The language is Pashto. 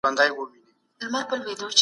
ايا کنفوسوس چينايي عالم و؟